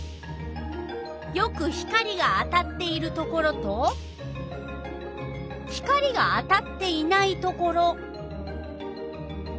よく光が当たっているところと光が当たっていないところ。